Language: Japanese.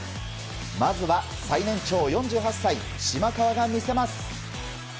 まずは最年長４８歳島川が見せます。